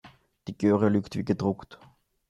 Die Göre lügt wie gedruckt.